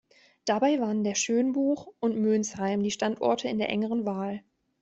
Dabei waren der Schönbuch und Mönsheim die Standorte in der engeren Wahl.